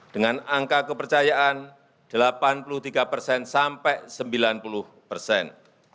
dengan angka kepercayaan delapan puluh tiga persen sampai sembilan puluh persen